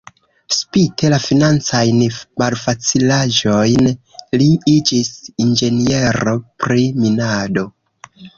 Spite la financajn malfacilaĵojn li iĝis inĝeniero pri minado.